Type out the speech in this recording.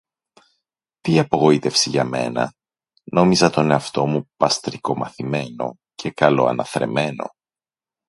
Τι απογοήτευση για μένα! Νόμιζα τον εαυτό μου παστρικομαθημένο και καλοαναθρεμμένο